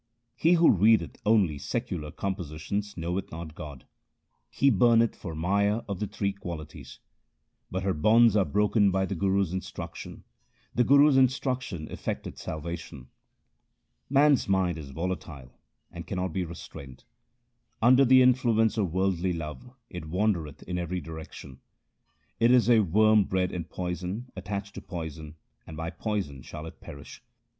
He who readeth only secular compositions knoweth not God : He burneth for Maya of the three qualities ; But her bonds are broken by the Guru's instruction ; the Guru's instruction effecteth salvation. Man's mind is volatile and cannot be restrained : Under the influence of worldly love it wandereth in every direction. It is a worm bred in poison, attached to poison, and by poison shall it perish.